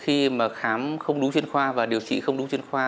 khi mà khám không đúng chuyên khoa và điều trị không đúng chuyên khoa